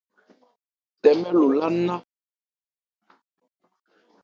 Tɛmɛ̂ lo lá nná.